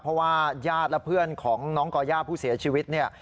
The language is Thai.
เพราะว่าญาติและเพื่อนของน้องก่อย่าผู้เสียชีวิตเนี่ย